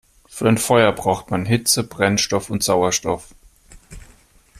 Für ein Feuer braucht man Hitze, Brennstoff und Sauerstoff.